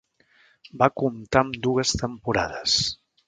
Va comptar amb dues temporades.